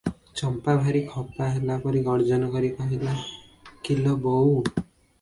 ଚମ୍ପା ଭାରି ଖପା ହେଲାପରି ଗର୍ଜନ କରି କହିଲା, "କି ଲୋ ବୋହୂ!